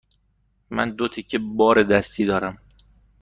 من دو تکه بار دستی دارم.